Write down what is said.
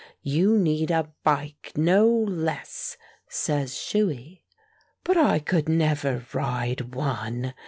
"You need a bike, no less," says Shuey. "But I never could ride one!"